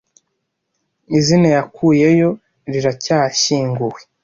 izina yakuyeyo riracyashyinguwe